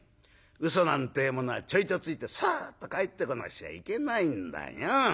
嘘なんてえものはちょいとついてさっと帰ってこなくちゃいけないんだよ。